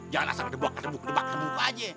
jangan asal ada buka debuka aja